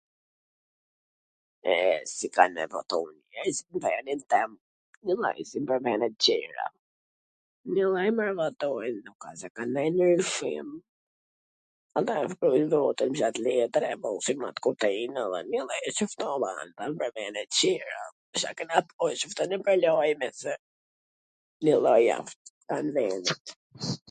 E, si kan me votu njerzit n venin tem... njw lloj si nw vene tjera... njw lloj mor votojn, nuk a se ka ndonj ndryshim. Ata shkrujn votwn n at letwr, e fusin nw kuti, njw lloj si nw Cdo ven, n vene tjera, Njw lloj asht...